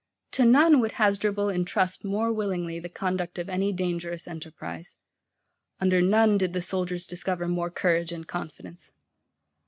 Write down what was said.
To none would Hasdrubal entrust more willingly the conduct of any dangerous enterprize; under none did the soldiers discover more courage and confidence.